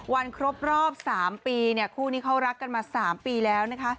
ครบรอบ๓ปีคู่นี้เขารักกันมา๓ปีแล้วนะคะ